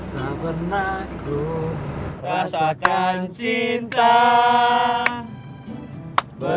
tak pernah ku rasakan cinta